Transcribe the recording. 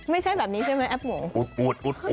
ไม่ใช่แบบนี้ใช่ไหมแอปหมู